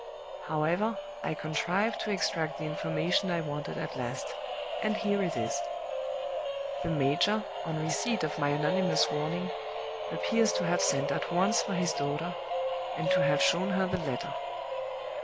However, I contrived to extract the information I wanted at last; and here it is: "The major, on receipt of my anonymous warning, appears to have sent at once for his daughter, and to have shown her the letter.